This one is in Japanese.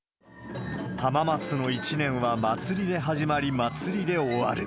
浜松の一年は祭りで始まり祭りで終わる。